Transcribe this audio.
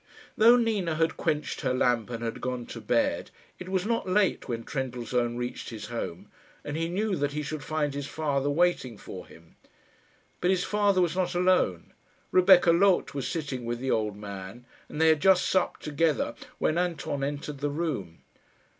Though Nina had quenched her lamp and had gone to bed, it was not late when Trendellsohn reached his home, and he knew that he should find his father waiting for him. But his father was not alone. Rebecca Loth was sitting with the old man, and they had just supped together when Anton entered the room.